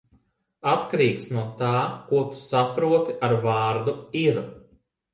Atkarīgs no tā, ko tu saproti ar vārdu "ir".